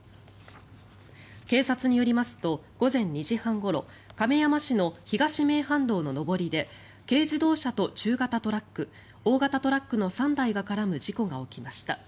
警察によりますと午前２時半ごろ亀山市の東名阪道の上りで軽自動車と中型トラック大型トラックの３台が絡む事故が起きました。